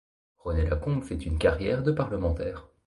René La Combe fait une carrière de parlementaire.